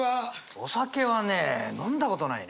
お酒はね飲んだことないね。